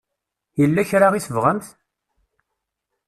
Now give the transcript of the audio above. Yella kra i tebɣamt?